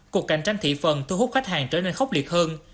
cuộc cạnh tranh thị phần thu hút khách hàng trở nên khốc liệt hơn